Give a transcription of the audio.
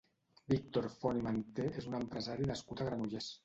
Víctor Font i Manté és un empresari nascut a Granollers.